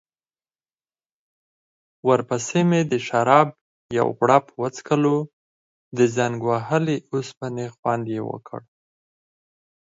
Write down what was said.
ورپسې مې د شرابو یو غوړپ وڅکلو، د زنګ وهلې اوسپنې خوند يې وکړ.